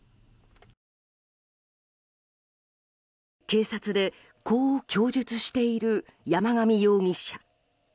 警察で、こう供述している山上容疑者。